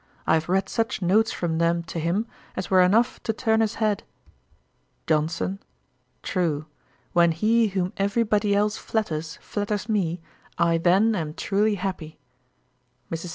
I have read such notes from them to him, as were enough to turn his head.' JOHNSON. 'True. When he whom every body else flatters, flatters me, I then am truely happy.' MRS.